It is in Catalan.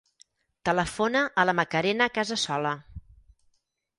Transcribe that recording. Telefona a la Macarena Casasola.